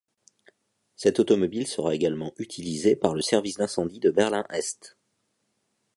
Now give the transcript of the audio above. Cette automobile sera également utilisée par le service d'incendie de Berlin-Est.